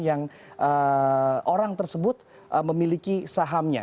dan orang tersebut memiliki sahamnya